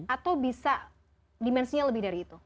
atau bisa dimensinya lebih dari itu